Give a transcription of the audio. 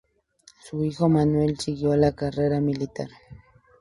Su hijo Manuel siguió la carrera militar.